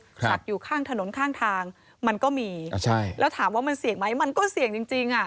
ขับอยู่ข้างถนนข้างทางมันก็มีอ่าใช่แล้วถามว่ามันเสี่ยงไหมมันก็เสี่ยงจริงจริงอ่ะ